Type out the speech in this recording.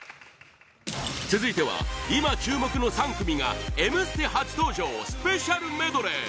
続いては、今注目の３組が「Ｍステ」初登場スペシャルメドレー！